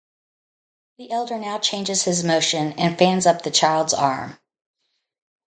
The elder now changes his motion and fans up the child's arm.